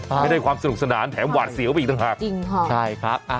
ไม่ได้ความสนุกสนานแถมหวาดเสียวไปอีกต่างหากจริงค่ะใช่ครับ